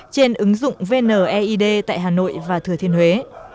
trên ứng dụng vneid tại hà nội và thừa thiên huế